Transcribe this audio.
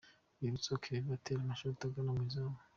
Rwibutso Claver atera amashoti agana mu izamu.